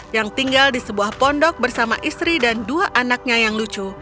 yang tinggal di sebuah pondok bersama istri dan dua anaknya yang lucu